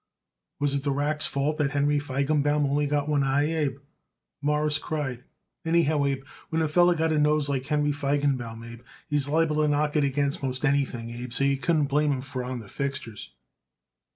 "Was it the rack's fault that Henry Feigenbaum only got one eye, Abe?" Morris cried. "Anyhow, Abe, when a feller got a nose like Henry Feigenbaum, Abe, he's liable to knock it against most any thing, Abe; so you couldn't blame it on the fixtures."